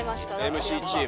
ＭＣチーム。